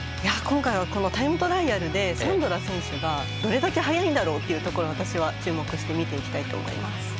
今回はタイムトライアルでサンドラ選手がどれだけ速いんだろうってところを注目し見ていきたいと思います。